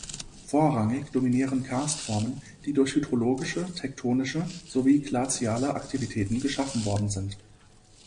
Vorrangig dominieren Karstformen, die durch hydrologische, tektonische sowie glaziale Aktivitäten geschaffen worden sind.